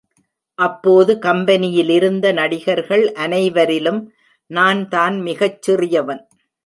அப்போது கம்பெனியிலிருந்த நடிகர்கள் அனைவரிலும் நான் தான் மிகச் சிறியவன்.